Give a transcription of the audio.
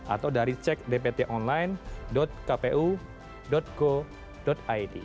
atau dari cek dpt online kpu go id